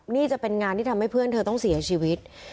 นี่จะเป็นงานที่ทำให้เพื่อนเธอต้องเสียชีวิต